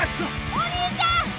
お兄ちゃん。